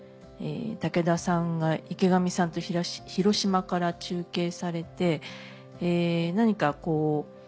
武田さんが池上さんと広島から中継されて何かこう。